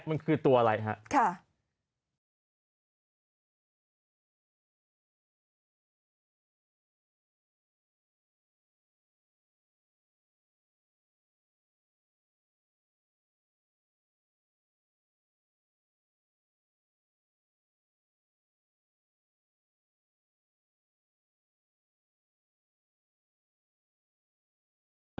มันคือตัวอะไรฮะค่ะ